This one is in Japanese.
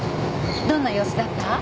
どんな様子だった？